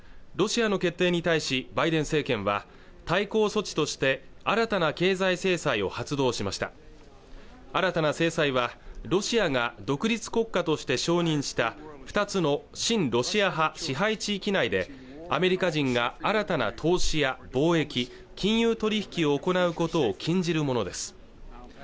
ロシアの決定に対しバイデン政権は対抗措置として新たな経済制裁を発動しました新たな制裁はロシアが独立国家として承認した２つの親ロシア派支配地域内でアメリカ人が新たな投資や貿易、金融取引を行うことを禁じるものです